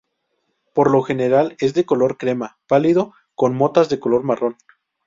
Por lo general es de color crema pálido con motas de color marrón.